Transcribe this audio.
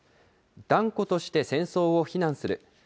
断固として戦争を非難する。